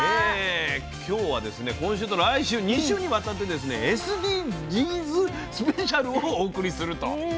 今日は今週と来週２週にわたって「ＳＤＧｓスペシャル」をお送りすると。